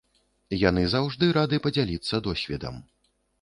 Яны заўжды рады падзяліцца досведам.